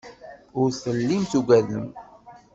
Ur tellim tugadem.